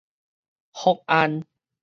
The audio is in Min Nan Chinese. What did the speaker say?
福安